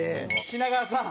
品川さん。